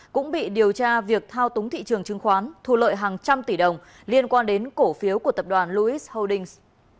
cũng bị điều tra việc thao túng thị trường chứng khoán thu lợi hàng trăm tỷ đồng liên quan đến cổ phiếu của tập đoàn logis holdings